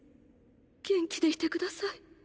元気でいて下さい。